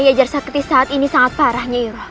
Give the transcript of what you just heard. nyiaya ajat saketi saat ini sangat parah nyiiroh